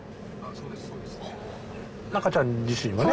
そうですね